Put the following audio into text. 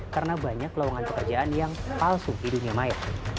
karena banyak lowongan pekerjaan yang palsu di dunia maya